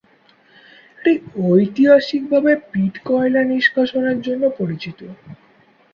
এটি ঐতিহাসিকভাবে পিট কয়লা নিষ্কাশনের জন্য পরিচিত।